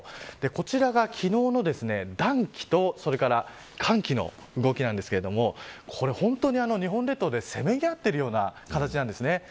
こちらが昨日の暖気と寒気の動きなんですけれどもこれ本当に日本列島でせめぎ合っているような形なんですね。